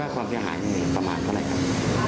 แล้วความเสียหายประมาณอะไรครับ